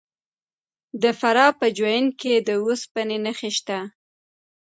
د فراه په جوین کې د وسپنې نښې شته.